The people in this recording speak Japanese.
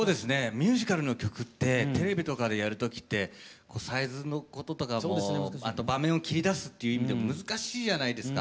ミュージカルの曲ってテレビとかでやる時ってサイズのこととかもあと場面を切り出すっていう意味でも難しいじゃないですか。